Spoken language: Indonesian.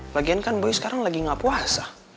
lagian kan buya sekarang lagi gak puasa